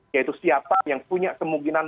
yaitu siapa yang punya kemungkinan